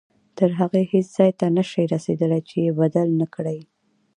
تر هغې هیڅ ځای ته نه شئ رسېدلی چې یې بدل نه کړئ.